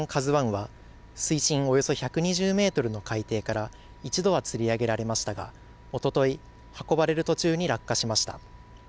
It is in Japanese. ＫＡＺＵＩは、水深およそ１２０メートルの海底から一度はつり上げられましたが、おととい、運ばれる途中に落下しました。